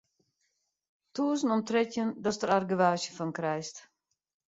Tûzen om trettjin datst der argewaasje fan krijst.